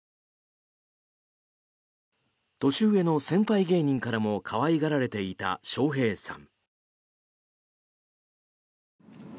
年上の先輩芸人からも可愛がられていた笑瓶さん。